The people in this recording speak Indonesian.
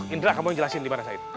indra kamu yang jelasin di mana sait